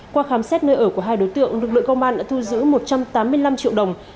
qua khám xét nơi ở của hai đối tượng lực lượng công an đã thu giữ một trăm tám mươi năm triệu đồng